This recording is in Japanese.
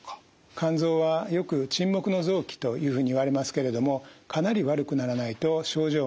肝臓はよく「沈黙の臓器」というふうにいわれますけれどもかなり悪くならないと症状が出てこないんです。